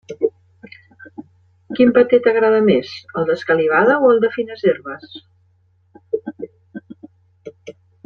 Quin paté t'agrada més, el d'escalivada o el de fines herbes?